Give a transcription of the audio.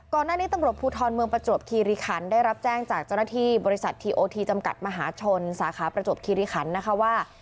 ก่อนหน้านี้ตำรวจภูทรเมืองประจวบคีริคันได้รับแจ้งจากเจ้าหน้าที่บริษัททีโอทีจำกัดมหาชนสาขาประจวบคิริคันนะคะว่า